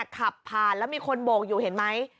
ขับผ่านแล้วมีคนโบกอยู่เห็นไหม